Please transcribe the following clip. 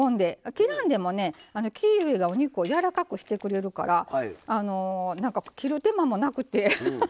切らんでもねキウイがお肉をやわらかくしてくれるからあのなんか切る手間もなくてハハハいいんですよ。